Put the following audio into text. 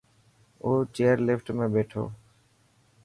او چئر لفٽ ۾ ٻيٺو.